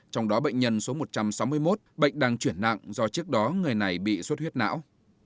trong đó bệnh nhân số một trăm sáu mươi một bệnh đang chuyển nặng do trước đó người này bị suốt huyết não